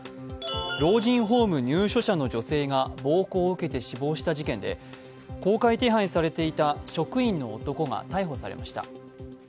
老人ホーム入所者の女性が暴行を受けて死亡した事件で公開手配されていた職員の男が逮捕されました。